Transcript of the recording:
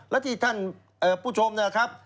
และที่ท่านผู้ชมนะครับ